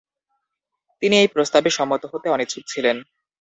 তিনি এই প্রস্তাবে সম্মত হতে অনিচ্ছুক ছিলেন।